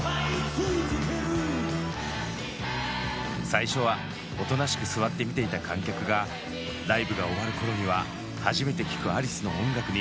最初はおとなしく座って見ていた観客がライブが終わる頃には初めて聴くアリスの音楽に大興奮！